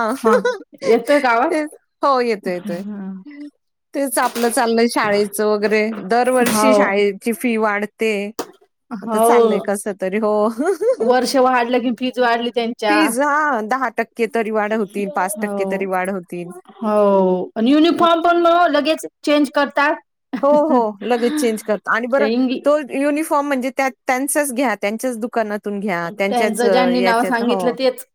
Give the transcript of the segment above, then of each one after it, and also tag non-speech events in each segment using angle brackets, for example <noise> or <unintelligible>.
हा येतोय का आवाज? हो येतो येतोय. तेच आपलं चाललंय शाळेच वगैरे दरवर्षी शाळेची फी वाढते आता हो चाललंय कसं तरी हो. वर्ष वाढलं कि फीज वाढली त्यांच्या फीज हां, तरी वाढ होतील, हो तरी वाढ होतील. हो आणि अं, युनिफॉर्म पण म लगेच चेंज करतात <unintelligible> हो हो लगेच चेंज कर आणि ते बर इंगी तो <inaudible> घ्या त्यांच्याच त्यांचं ज्यांनी नाव याच्यात हो सांगितलं तेच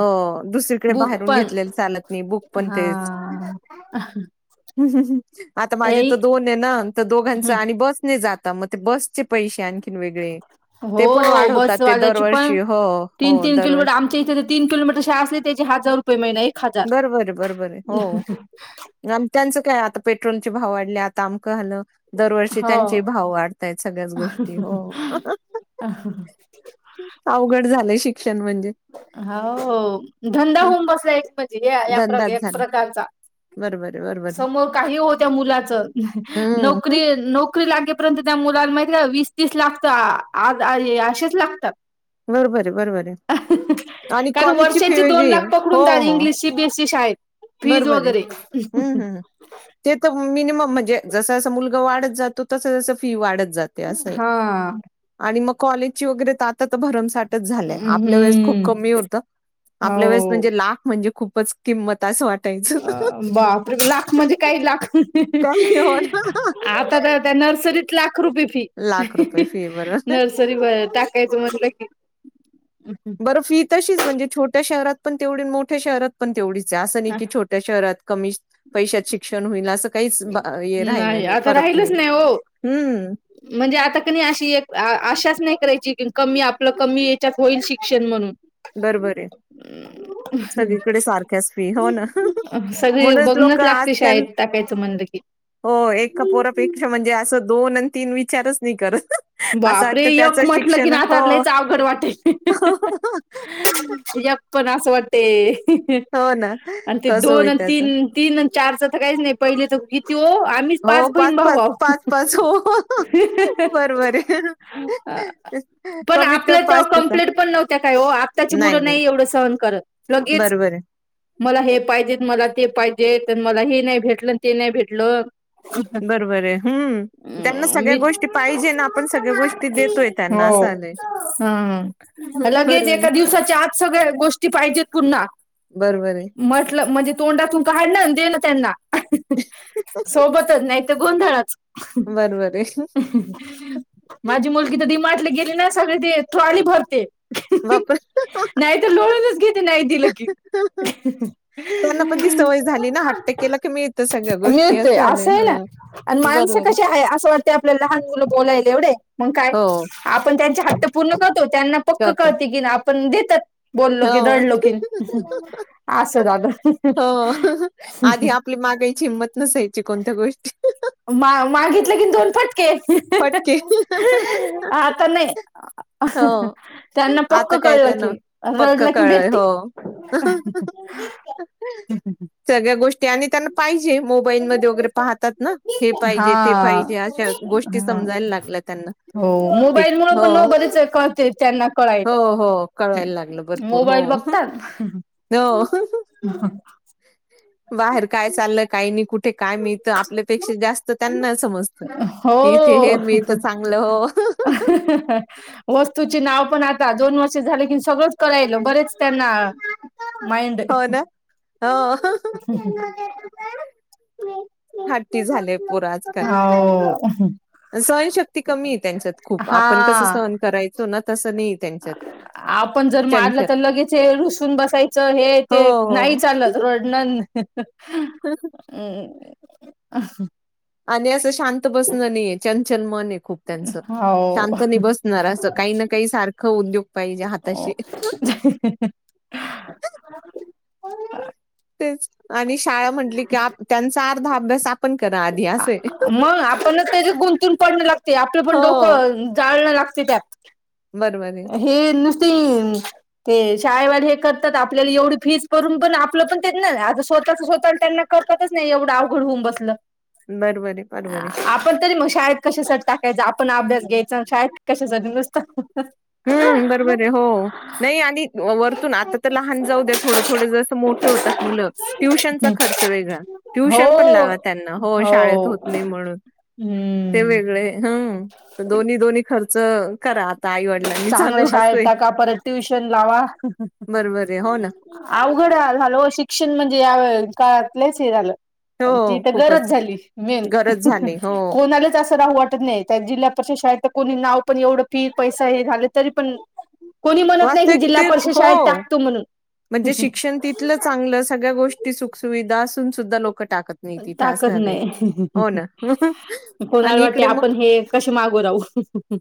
हो दुसरीकडे बुक बाहेरून पण घेतले चालत ब पण हा आ ए <inaudible> तर दोन आहे ना तर दोघांच आणि बस नाही जाता मग ते बसचे पैसे आणखी वेगळे ते पण हो वाढवतात ते बसवाल्याची पण दरवर्षी हो, तीन हो तीन किलोमीटर दरवर्षी आमच्या इथे तीन किलोमीटरा असले त्याच्या हजार रुपये महिना एक हजार आ त्यांचं काय आता पेट्रोलचे भाव वाढले आता आमकं झालं दरवर्षी त्यांचे भाव वाढतायत सगळ्याच गोष्टी हो अ ह ह अवघड झालंय शिक्षण म्हणजे हो धंदा हं, होऊन बसलायच म्हणजे या धंदाच एक झाला. प्रकारचा बरोबर आहे, बरोबर आहे. समोर काही होत्या मु हं, हं. नोरी नोकरी लागेपर्यंत त्या मुला माहि वीस तीस लागता आ असेच लागतात बरोबर आहे बरोबर आहे आणि कारण कॉलेज ची फी वर्षाची दोन वेगळी लाख हो पकडून जा हो इंग्लिश सीबीएसई शाळेत. फीज बरोबर आहे वगैरे हम्म हम् ते तर मिनमम म्हणजे ज ज मुलग वाढत जातो तस जस फी वाढत जाते असं हा आणि मग कॉलेजची वगैरे तातात भरमसाठी झा आपल्या वेळेस खूप हम्म क होत आपल्या वेळेस हो. म्हणजे लाख म्हणजे खूपच किमंत अ बहतर लाख म्हणजे काही लाख काही हो ना. आता त्या त्या नर्सरीत लाग रुपये फी लाख रुपये फी बरोबर. नर्सरी टाकायचं म्हटलं की बरं फी तशीच म्हणजे छोट्या शहरात पण तेवढी मोठ्या शहरात पण तेवढी ं हे असं नाही की छोट्या शहरात कमी पैशात शिक्षण होईल असं काहीच राहि नाही आता फरक राहिलच नाही हो नाही् म्हणजे आता कणी अशी एक आशाच नाही करायची कमी आपलं कमी याच्यात होईल शिक्षण म्हणून बरबर आहे सगळीकडे सारख्याच फी हो ना हो सगळं म्हणूनच लोक बघणच लागते आजकाल शाळेत टाकायचं म्हण <unintelligible> हो एका पोरापेक्षा म्हणजे असं दोन आणि तीन विचारच नाही करत असं बापरे वाटतं यक त्याचं म्हटलं की शिक्षण हो नातालाच अवघड वाटेल तुझ पण असं वाटते हो ना आणि ते कसं दोन होईल आणि त्याच तीन तीन आणि चारच तर काहीच नाही पहिले तर. तो आम्हीच हो पाच बहीण पाच भाऊह <unintelligible> बर बर हे ह ह पण आपल्या त्या पाच ते सहा कम्प्लेट पण नव्हत्या काय हो आत्ताची मुलं नाही एवढं सहन करत लगेच बरोबर आहे मला हे पाहिजे मला ते पाहिजेत मला हे नाही भेटलं ते नाही भेटलं बरोबर आहे हम्म त्यांना अ सगळ्या मि गोष्टी पाहिजे ना आपण सगळ्या गोष्टी देतोय त्यांना हो असं आलंय हम्म लगेच बरोबर आहे एका दिवसा आज सगळ गोष्टी पाहिजेत पुन्हा बरबर म्हटलं म्हणजे तोंडातून काढणं दे ना त्यांना सोबतच नाही तर गोंधळच. बरबर ए. माझी मुलगी तर डीमाटले गेली ना, सगळे ते ट्रॉली भरते. बापर नाही तर लोळूनच घेते, नाही दिलं की. त्यांना पण ती सवय झाली ना. हट्ट केला की, मिळत सगळ्या गोष्टी असं झालं हा बरो ते कशे हाय असं वाटते, आपल्या लहान मुल बोलायले एवढे, म काय हो आपण त्यांचे हाट पूर्ण करतो? त्यांना पक्क करतो. कळते की आ पण देतात, बोललो की, हो. रडलो की असं दादा. हो हो आधी आपली मागायची हिंमत नसायची कोणत्या गोष्टी. मा मागितलं की, दोन फट पटके. आता नाही हो. त्यांना पक आता काय कळलं की त्यांना पक्क रडलं की कळलंय भेटतेय. हो. सगळ्या गोष्टी आणि त्यांना पाहिजे मोबाईलमध्ये वगैरे पाहतात ना. हे हा पाहिजे. ते पाहिजे. अशा गोष्टी हा समजायला लागल्या त्यांना. हो की मोबाईल मूळ हो पण बरच कळते त्यांना हो कळायच हो कळायला लागलं भरपूर हो मोबाईल. बघतात. हो बाहेर काय चाललं काही नाही. कुठे काय मिळत आपल्या पेक्षा जास्त त्यांना समजत. हो वस्तू चे नाव पण आ. दोन वर्ष झाले कि सगळंच करायल बरेच त्यांना मइंड. हो ना हो. हट्टी झालेय पोर आजकाल. हो सहनशक्ती कमी आहे त्यांच्यात. खूप हा आपण कसं सहन करायचो. ना, तसं नाही आहे त्यांच्यात. आपण जर मारलं चंचल तर लगेच हे रुसून बसायचं. हे हो, ते नाही हो. चालत रोडन. हम. आणि आस शांत बसण नाही. चंचल मन आहे. खूप त्यांच हो शांत नाही बसणार अस काही ना काही सारख. खाऊन उद्योग पाहिजे अं, हाताशी. हो <unintelligible> तेच आणि शाळा म्हंनली की त्यांचा अर्धा अभ्यास आपण करा आधी असं आहे. मग आपण त्या गुंतून पडणं लागते. आपलं पण हो. डोकं जाळणं लागत. त्यात. हे नुस ह <unintelligible> ते शाळेवाले हे करतात. आपल्याला एवढी फीस भरून पण. आपलं पण आ स्वतःच स्वतः त्यांना करतातच नाही एवढं अवघड होऊन बसलं. बरोबर आहे, अ बरोबर आहे. आपण तरी मग शाळेत कशसाठी टाकायचं आपण अभ्यास घ्यायचा शाेत कशासाठीग नुसतं हम्म बरोबर आहे. हो. नाही आणि वरतून आता तर लहान जाऊ द्या थोडं-थोडं जस मोठ होतात मुलं. ट्युशनचा खर्च वेगळा. हो ट्युशन पण लावा त्यांना हो. शाळेत होत नाही म्हणून. हम्म वेगळं दोन्ही-दोन्ही खर्च करा आता आई वडी चांगलं शाळेत टका परत ट्युशन लावा. बरोबर आहे. हो ना. अवघड झाला ओ. शिक्षण म्हणजे या काळातले लईच हे झालं. ती हो, तर गरज खूपच झाली. मेन. गरज झाली. हो. कोणालाच असं राहू वाट त नाही जिल्हा परिषद शाळेत कोणी नाव पण एवढं फी पैसा हे झालं तरी पण कोणी म्हणत नाही की वास्तविक जिल्हा ते परिषद शाळेत हो. टाकतो म्हणून. म्हणजे शिक्षण तिथलं चांगलं. सगळ्या गोष्टी सुखसुविधा असून सुद्धा लोक टाकत नाही तास टाकत झाले. नाही. हो ना कोणाला आणि वाटते इकडे मग आपण हे कसे मागो राहू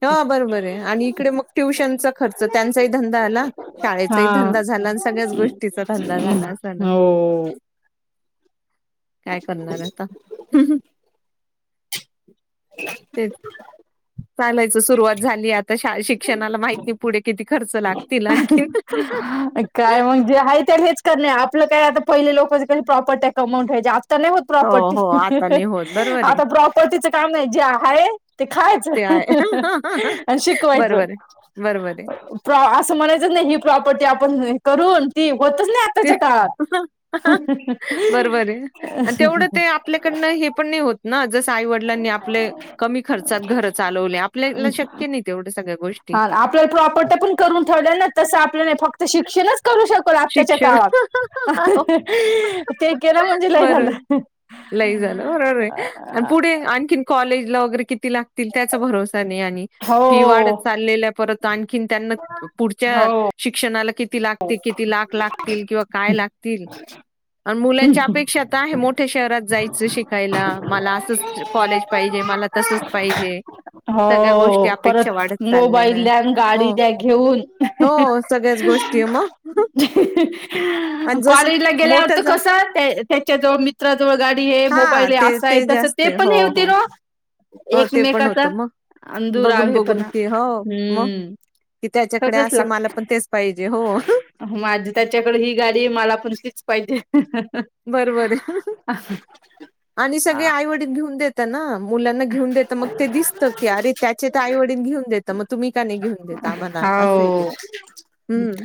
हा बरबर आहे. आणि इकडे मग ट्युशनचा खर्च त्यांचाही धंदा आला शाळेचा ही. हा धंदा झाला. आणि सगळ्याच गोष्टीचा धंदा झाला अस ना. हो काय करणार आता, ते, चालायचं सुरुवात झाली आता, श शिक्षणाला माहिती नाही पुढे किती खर्च, लागतीलला आणखी, काय म्हगजे आहे, ते हेच करणे आपलं काय आता पहिले लोके कही प्रॉपर्टी कामून ठेयच्या. तर नाही होत हो, प्रॉपर्टी हो. आता नाही होत. बरोबर आहे. आता प्रॉपर्टीचं काम नाही जे आहे ते ते आहे. खायचं. <unintelligible> शिकवायचं बरोबर आहे. बरोबर आहे. प्र असं म्हणायचंच नाही, ही प्रॉपर्टी आपण करून ती होतच नाही ते आत्ताच्या काळ, बरोबर आहे आणि तेवढं ते आपल्याकडनं हे पण नाही होत ना. जस आईवडलांनी आप कमी खर्चात घर चालवले, आपल्याला शक्य नाही तेव, हा आपल्याला प्रॉपरट पण करून ठेवल्या ना तस आपल्याने फक्त शिक्षणच. करू शको आत्ताच्या शिक्षण काळात हो. ते केलं म्हणजे लय बरोबर. झालं. लई झालं बरोबर आहे, आणि पुढे आणखीन कॉलेजला वगैरे किती लागतील त्याचा भरोसा, फी वाढत हो चाल पर आणखी त्यांना पुढच्या हो शिक्षणाला क, किती लागतील किती, लाख लागतील किंवा काय लागतील. आणि मुलांच्या अपेक्षा तर आहे, मोठ्या शहरात जायचं शिकायला मला असंच कॉलेज पाहिजे. मला तसच पाहिजे. सगळ्या गोष्टी हो अपेक्षा परत वाढत चाललेल्या मोबाईल द्या आणि हो गाडी द्या घेऊन हो सगळ्या गोष्ट, सगळेच गोष्टी मग, आणि जसं कॉलेजला मोठं गेल्यावरत झा कस त्याच्या जवळ मित्राजवळ गाडी, हां, मोबाईल ते असा आहे तस जास्त ते आहे. पण हे हो, होते हो. ना. हो ते पण एकमेकाचा होतं मग बघून, अंदूरवे पण हम्म, कि त्याच्याकडे सगळंच असेल लागत मला पण तेच पाहिजे. हो माझी त्याच्याकडे ही गाडी मला पणलीच पाहिजे. बरबर आहे आणि सगळे आईवडील घेऊन देत. मुलांना घेऊन देत मग ते दिसत की अरे त्याचे तर आईवडीलन घेऊन देत मग तुम्ही, का नाही घेऊन देता आम्हाला? असं आहे ते. हो हं.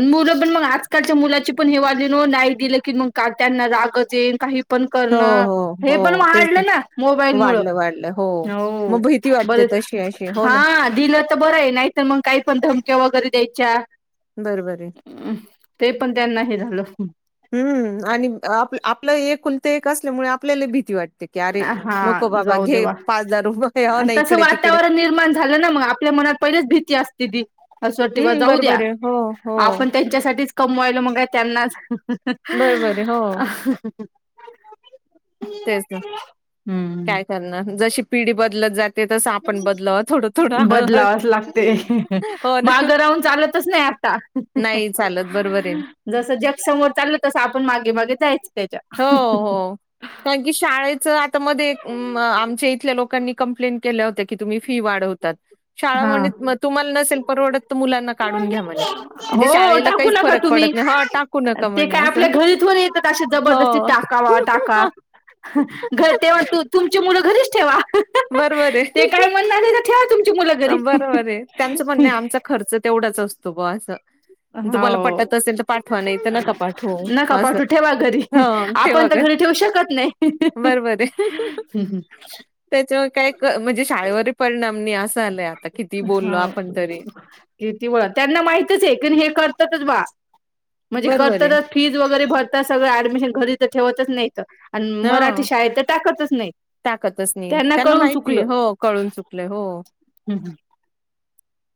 मुलं पण मग आजकालच्या मुलाची पण हे वा, नाही दि की मग त्यांना रागच येन काही. हो, करण हो, हे पण हो. तेच वाढले ना मोबाईल मुळ वाढलं, वाढलं. हो. मग भीती बर, वाटते तशी अशी. हो ना, हा दिला तर बरा आहे. नाही तर मग काही पण धमक्या वगैरे द्यायच्या बरोबर आहे. ते पण त्यांना हे, हम्म आणि आप आपलं एक कुलत एक असल्यामुळे, आपल्याला भीती वाटते. की अरे हा नको बाबा जाऊ घे देवा हो ना, तस इकडे-तिकडे. वातावरण निर्माण, झालं ना मग आपल्या मनात पहिलीच भीती असते ती असं वाटतं, हं, जाऊ द्या बरोबर आहे. हो, हो. आपण त्यांच्यासाठी, कमवायल मग त्यांनाच, बरोबर आहे. हो, तेच ना हम्म काय हम् करणार जशी पिढी बदलत जात. बदलावास लागते हो ना माघ राहून चालतच नाही. नाही चालत बरोबर आहे ना जस जग समोर चाललं तसं आपण मागे मागे जायचं हो त्याच्या, हो <inaudible> कारण की शाळेच आता मध्ये आमच्या इथल्या लोकांनी, कंप्लेंट केला होता कि फी वाढवतात. शाळा हा म्हंटलत तुम्हाला नसेल परवडत, मुलांना काढून घ्या म्हणे, म्हणजे हो शाळेला टाकू काहीच नका फरक तुम्ही पडत नाही ह टाकू नका म्हणे असं. मग येत आपली जबरदस्ती हो. टाका वा टाका, घर तेव्हा तुमची मुलं घरीच ठेवा ते काय म्हणणार नाही, तर ठेवा तुम् बर बर आहे त्यांचं म्हणणे आमचा खर्च तेवढाच असतो ब असं. तुम्हाला पटत हो असेल तर पाठवा नाही तर नका पाठवू नक असं. पाटू ठेवा घरी हं ठेवा आपण, घरी ठेव शकत नाही. त्याच्यावर काय म्हणजे शाळेवरही परिणाम नाही अस. हा किती व त्यांना माहितच आहे की हे करत. म्हणजेत बरोबर आहे. फज वगरे भरत ऍडमिशन घरी ठेवतच नाहीत आणि मराठी हां. शाळेत तर टाकतच नाइ. टाकतच नाही त्यांना माहिती आहे हो कळून चुकलंय हो. हम् हम.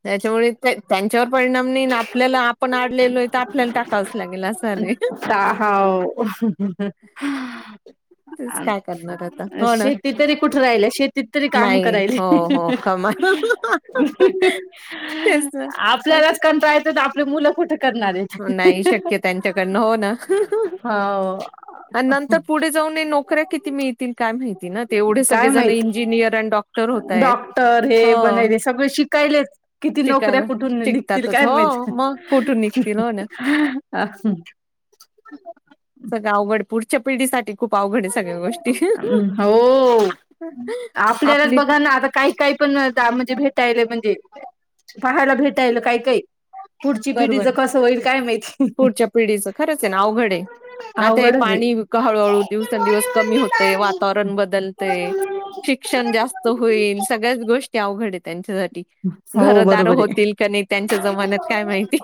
त्याच्यामुळे त्यांच्यावर परिणाम नाही ना आपल्याला आपण आडलेलोय. <unintelligible> <unintelligible> करणार आता. अ हो ना. शेती तरी कुठ राहिलेय शेतीत तरी काम नाही. करायले ही हो, ही हो. ही कमा ही. ही ही तेच ना. अ, आपल्यालाच कंटाळा येतो तर आपली मुलं कुठ? नाही शक्य त्यांच्याकडनं. हो ना. हा ओ. आणि नंतर पुढे जाऊनाय नोकऱ्या किती मिळतील काय माहिती. एवढे काय सगळेजण माहित इंजिनियर डॉक्टर होताहेत. डॉक्टर हे बनायले सगळे शिकायलेच. किती नोकऱ्या कुठून न. निघतील काय हो, माहित मग कुठून निघतील? अ? सगळ अवघड पुढच्या पिढीसाठी. खूप अवघड आहे सगळ्या गोष्टी. हम होओ. आपल्यालाच आपली बघा ना आता काय काय. पण त्या म्हणजे भेटायला म्हणजे पाहायला भेटायला काय काई. पुढची पिढीच बरोबर आहे कसं होईल माहिती पुढच्या पिढीचं खरंच आहे ना अवघडाय. आता हे अवघडच आहे पाणी इतकं हळूहळू दिवसेंदिवस कमी होतय वातावरण बदलतय. शिक्षण जास्त होईल सगळ्याच गोष्टीआ. अवघड हाय त्यांच्यासाठी हो घरदार बरोबर होतील क नाही त्यांच्या जमान्यात. काय माहिती.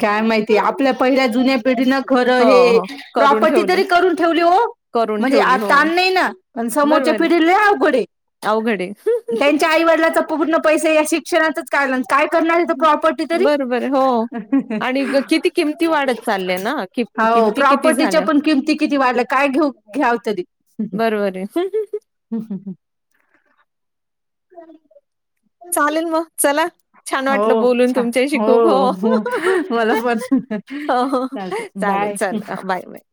काय माहितीय आपल्या पहिल्या जुन्यात. पिढनं खरं हो हे हो करून प्रॉपर्टी ठेवले तरी करून ठेवली हो. करून म्हणजे ठेवली हो आता आण नाही ना पण बरोबर समोरच्या आहे पिढीला लय अवघड हाय. अवघड आहे. त्यांच्या आई वडिलाचा पूर्ण पैसा या शिक्षणातच काढला. काय करणार आहेथ प्रॉपर्टी तरी. बरोबर आहे हो. ह ह आणि ह. ग- किती किमती वाढत चालल्या ना कि हा हो किमती किती प्रॉपर्टीच्या झाल्या पण किमती किती वाढल्या काय घेऊन घ्याव तरी? हम् बरोबर आहे. हम् हम्. चालेल मग चला छान हो वाटलं बोलून छान तुमच्याशी हो खूप मला पर्स हो, हो. चालतय. चालेल, बाय. चालेल. Bye, bye, bye.